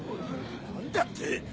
何だって？